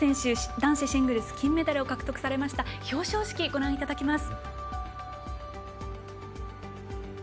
男子シングルスで金メダルを獲得されました、表彰式をご覧いただきます。